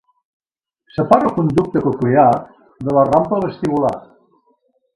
Separa el conducte coclear de la rampa vestibular.